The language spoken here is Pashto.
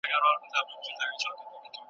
اسلامي نظام د توازون لاره ده.